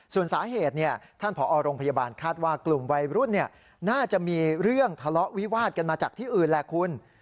ส่วนสาเหตุท่านผอโรงพยาบาลคาดว่ากลุ่มวัยรุ่นน่าจะมีเรื่องทะเลาะวิวาดกันมาจากที่อื่นแหละคุณ